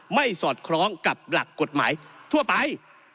สอดคล้องกับหลักกฎหมายทั่วไป